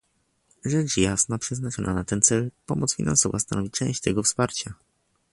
Rzecz jasna przeznaczona na ten cel pomoc finansowa stanowi część tego wsparcia